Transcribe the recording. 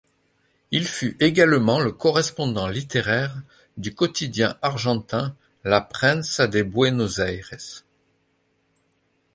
Il fut également le correspondant littéraire du quotidien argentin La Prensa de Buenos Aires.